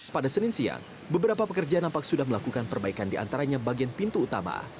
pada senin siang beberapa pekerja nampak sudah melakukan perbaikan di antaranya bagian pintu utama